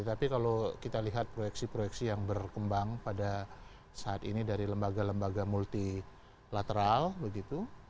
tapi kalau kita lihat proyeksi proyeksi yang berkembang pada saat ini dari lembaga lembaga multilateral begitu